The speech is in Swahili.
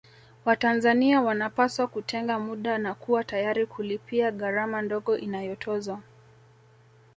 Watanzania wanapaswa kutenga muda na kuwa tayari kulipia gharama ndogo inayotozwa